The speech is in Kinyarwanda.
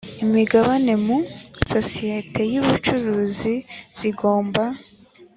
imigabane mu isosiyete y ubucuruzi zigomba